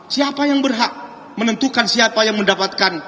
siapa yang berhak menentukan siapa yang mendapatkan